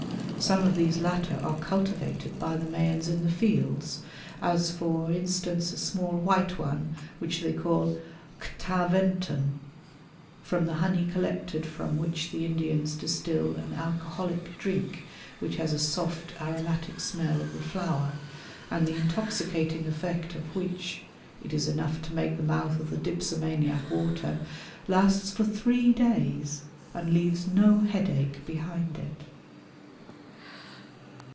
Some of these latter are cultivated by the Mayans in the fields, as for instance a small white one which they call x̆taventun, from the honey collected from which the Indians distil an alcoholic drink which has a soft aromatic smell of the flower, and the intoxicating effect of which (it is enough to make the mouth of the dipsomaniac water) lasts for three days and leaves no headache behind it!